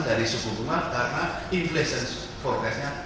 dari suku bunga karena inflation forecastnya